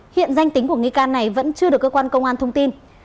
hiện danh tính của nghi can này vẫn chưa được cơ quan công an thông tin